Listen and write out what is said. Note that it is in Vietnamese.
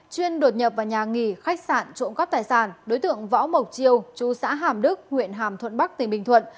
chuyên đột nhập vào nhà nghỉ khách sạn trộm góp tài sản đối tượng võ mộc chiêu chú xã hàm đức huyện hàm thuận bắc tp bình thuận